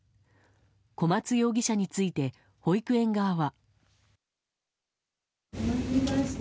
小松容疑者について保育園側は。